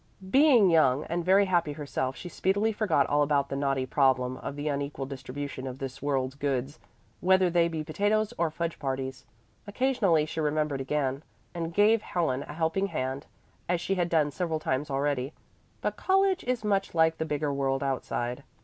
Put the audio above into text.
Being young and very happy herself, she speedily forgot all about the knotty problem of the unequal distribution of this world's goods, whether they be potatoes or fudge parties. Occasionally she remembered again, and gave Helen a helping hand, as she had done several times already. But college is much like the bigger world outside.